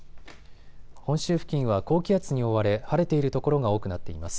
本州付近は高気圧に覆われ晴れている所が多くなっています。